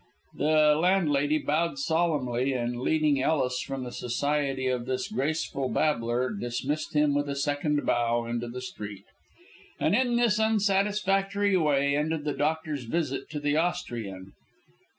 The landlady bowed solemnly, and, leading Ellis from the society of this graceful babbler, dismissed him with a second bow into the street. And in this unsatisfactory way ended the doctor's visit to the Austrian.